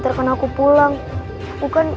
seperti sebuah tertawa